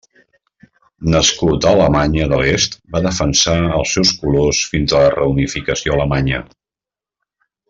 Nascut a Alemanya de l'Est va defensar els seus colors fins a la reunificació alemanya.